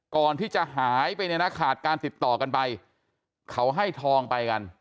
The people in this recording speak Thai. ก่อนที่จะหายไปเนี่ยนะขาดการติดต่อกันไปเขาให้ทองไปกัน